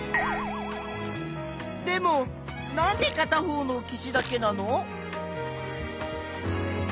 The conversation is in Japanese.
でもなんでかた方の岸だけなの？